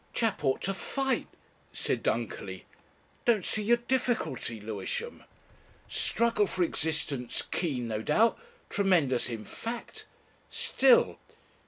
"Chap ought to fight," said Dunkerley. "Don't see your difficulty, Lewisham. Struggle for existence keen, no doubt, tremendous in fact still.